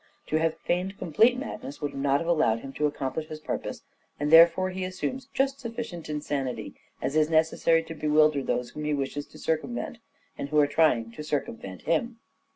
To have feigned complete Hamlet's madness would not have allowed him to accomplish e his purpose, and therefore he assumes just sufficient insanity as is necessary to bewilder those whom he wishes to circumvent, and who are trying to circumvent him.